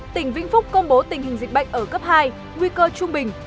tỉnh vĩnh phúc công bố tình hình dịch bệnh ở cấp hai nguy cơ trung bình